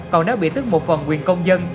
còn nếu bị tức một phần quyền công dân